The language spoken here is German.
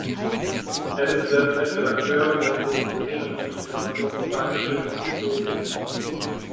Er ist derzeit Redakteur der estnischen Literaturzeitschrift "Looming".